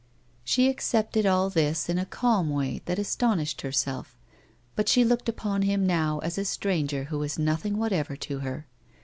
She accepted all this in a calm way that astonished her self, but she looked upon him now as a stranger who was nothing whatever to her.